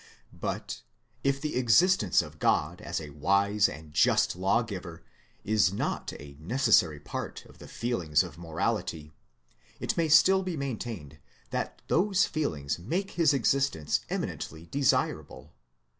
But if the existence of God as a wise and just lawgiver, is not a necessary part of the feelings of morality, it may still be maintained that those feelings make his existence eminently desirable.